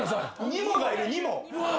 ・ニモがいるニモ！